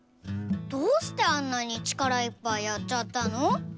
どうしてあんなに力いっぱいやっちゃったの？